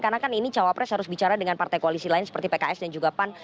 karena kan ini cawa pres harus bicara dengan partai koalisi lain seperti pks dan juga pan